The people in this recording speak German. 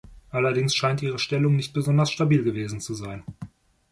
Allerdings scheint ihre Stellung nicht besonders stabil gewesen zu sein.